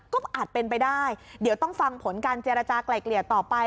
ก็อาจเป็นไปได้เดี๋ยวต้องฟังผลการเจรจากลายเกลี่ยต่อไป